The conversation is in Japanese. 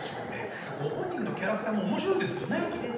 ご本人のキャラクターもおもしろいですよね。